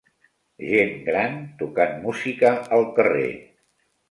Gent gran tocant música al carrer.